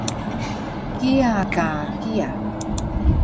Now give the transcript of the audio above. kiya ka kiya